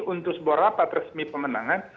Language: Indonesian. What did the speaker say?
untuk sebuah rapat resmi pemenangan